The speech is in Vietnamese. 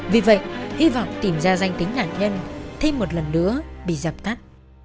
vì vậy hy vọng tìm ra danh tính nạn nhân thêm một lần nữa bị dập tắt